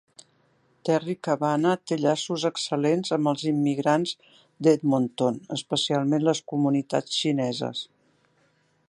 Terry Cavanagh té llaços excel·lents amb els immigrants d'Edmonton, especialment les comunitats xineses.